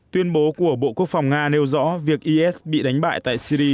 tuyên bố của bộ quốc phòng nga nêu rõ việc is bị đánh bại tại syri